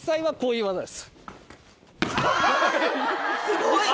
すごい！